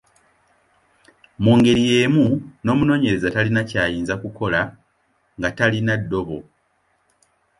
Mu ngeri y’emu, n’omunoonyereza talina ky’ayinza kukola nga talina ddobo.